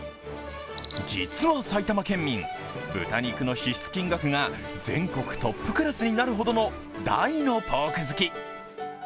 実は埼玉県民、豚肉の支出金額が全国トップクラスになるほどの大のポーク好き。